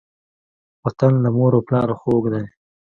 وطن له مور او پلاره خووږ دی.